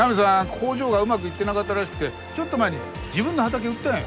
工場がうまくいってなかったらしくてちょっと前に自分の畑売ったんよ。